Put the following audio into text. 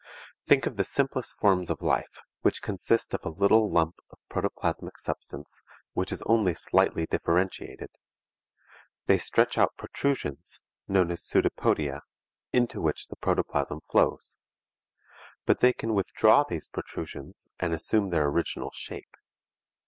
Think of the simplest forms of life, which consist of a little lump of protoplasmic substance which is only slightly differentiated. They stretch out protrusions, known as pseudopia, into which the protoplasm flows. But they can withdraw these protrusions and assume their original shape.